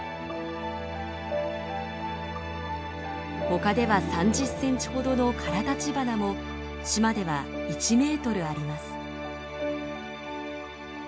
他では３０センチほどのカラタチバナも島では１メートルあります。